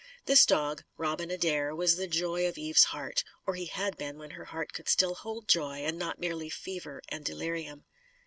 This dog, Robin Adair, was the joy of Eve's heart or he had been, when her heart still could hold joy and not merely fever and delirium.